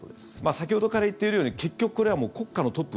先ほどから言っているように結局、これは国家のトップ